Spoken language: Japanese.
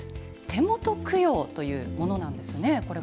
手元供養というものなんですよね。